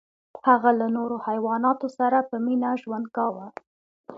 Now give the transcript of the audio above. هغه له نورو حیواناتو سره په مینه ژوند کاوه.